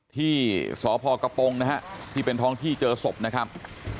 ที่สพกระปงนะฮะที่เป็นท้องที่เจอศพนะครับ